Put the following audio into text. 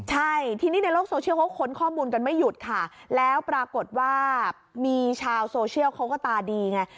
ใช่ทีนี้ในโลกโซเชียลเขาค้นข้อมูลกันไม่หยุดค่ะแล้วปรากฏว่ามีชาวโซเชียลเขาก็ตาดีไง